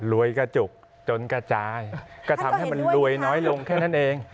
กระจุกจนกระจายก็ทำให้มันรวยน้อยลงแค่นั้นเอง